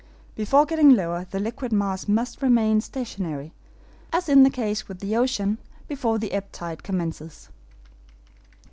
Before getting lower the liquid mass must remain stationary, as in the case with the ocean before the ebb tide commences.